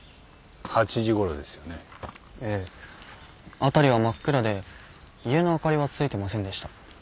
辺りは真っ暗で家の灯りはついてませんでした。